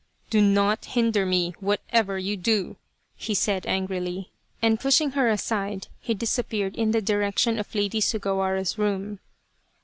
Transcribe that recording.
" Do not hinder me, whatever you do !" he said, angrily, and pushing her aside, he disappeared in the direction of Lady Sugawara's room.